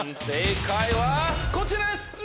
正解はこちらです！